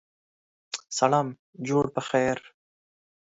سلام جوړ پخیر